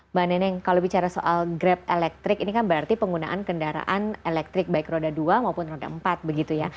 mbak neneng kalau bicara soal grab elektrik ini kan berarti penggunaan kendaraan elektrik baik roda dua maupun roda empat begitu ya